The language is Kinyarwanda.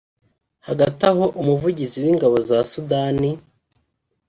Hagati aho umuvugizi w’ingabo za Sudani